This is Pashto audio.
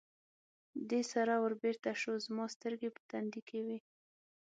دې سره ور بېرته شو، زما سترګې په تندي کې وې.